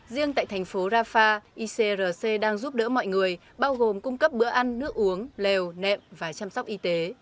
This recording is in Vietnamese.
riêng tại thành phố rafah icrc đang giúp đỡ mọi người bao gồm cung cấp bữa ăn nước uống lèo nệm và chăm sóc y tế